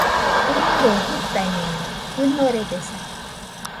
ɨniroi jɨtañeno, ɨnoredesa.